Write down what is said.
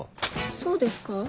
そうですか？